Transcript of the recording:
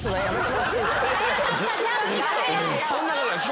そんなことない。